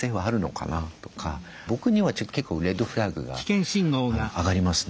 僕には結構レッドフラッグが上がりますね。